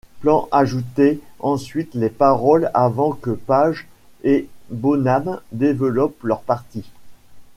Plant ajoutait ensuite les paroles avant que Page et Bonham développent leurs parties.